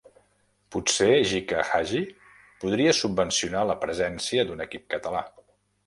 Potser Gica Hagi podria subvencionar la presència d'un equip català.